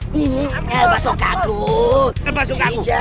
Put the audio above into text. basuh ke aku